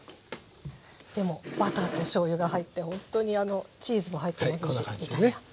でもバターとしょうゆが入ってほんとにあのチーズも入ってますしイタリアン。